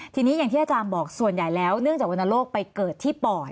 ทีนี้อย่างที่อาจารย์บอกส่วนใหญ่แล้วเนื่องจากวรรณโรคไปเกิดที่ปอด